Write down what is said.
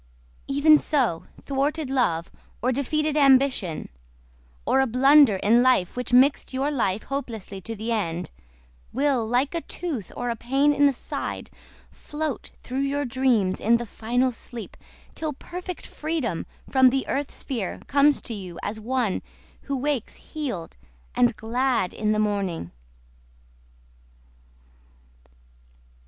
Even so thwarted love, or defeated ambition, Or a blunder in life which mixed your life Hopelessly to the end, Will like a tooth, or a pain in the side, Float through your dreams in the final sleep Till perfect freedom from the earth sphere Comes to you as one who wakes Healed and glad in the morning!